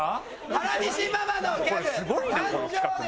原西ママのギャグ「誕生」です。